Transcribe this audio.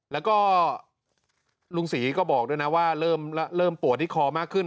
แล้วก็ลุงศรีก็บอกด้วยนะว่าเริ่มปวดที่คอมากขึ้น